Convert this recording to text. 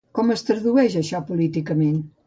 Com es tradueix això políticament?